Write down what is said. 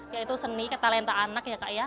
yaitu seni ke talenta anak ya kak ya